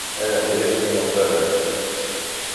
Ahya a ddin uqabac.